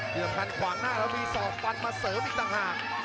เพิ่งผันขวางหน้าแล้วมีส่อกปันมาเสริมอีกตังหาก